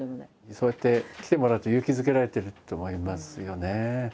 そうやって来てもらって勇気づけられてると思いますよね。